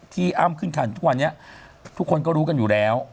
อ้ำขึ้นคันทุกวันนี้ทุกคนก็รู้กันอยู่แล้ว